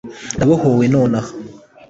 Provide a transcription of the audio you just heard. ndabohowe nonaha